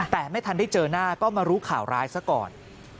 แต่ไม่ทันได้เจอหน้าก็มารู้ข่าวร้ายซะก่อน